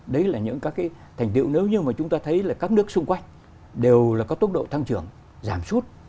đấy là những các thành tiệu nếu như chúng ta thấy là các nước xung quanh đều có tốc độ tăng trưởng giảm sút